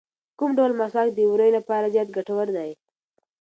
کوم ډول مسواک د ووریو لپاره زیات ګټور دی؟